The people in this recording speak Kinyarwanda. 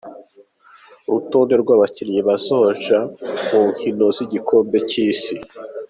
Urutonde rw'abakinyi bazoja mu nkino z'igikombe c'isi .